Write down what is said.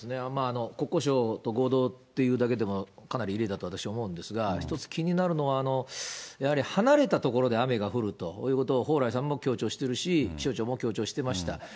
国交省と合同っていうだけでも、かなり異例だと、私思うんですが、１つ気になるのは、やはり離れた所で雨が降るということを、蓬莱さんも強調してるし、気象庁も強調しておりました。